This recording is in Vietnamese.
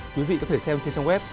quý vị có thể xem trên trang web